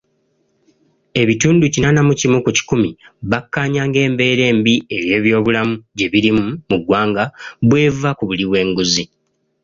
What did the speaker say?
Ebitundu kinaana mu kimu ku kikumi bakkaanya ng'embeera embi ebyobulamu gye birimu muggwanga, bw'eva kubuli bw'enguzi.